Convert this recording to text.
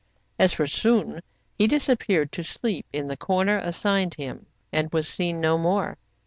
As for Soun, he disappeared to sleep in the corner assigned him, and was seen no more.